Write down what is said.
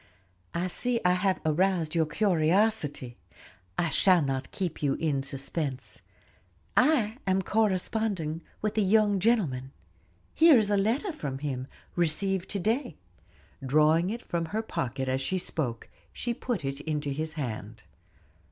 "I see I have aroused your curiosity, I shall not keep you in suspense. I am corresponding with a young gentleman. Here is a letter from him, received to day;" drawing it from her pocket as she spoke, she put it into his hand.